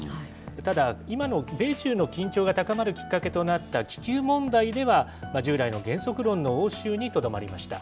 ただ、今の米中の緊張が高まるきっかけとなった気球問題では、従来の原則論の応酬にとどまりました。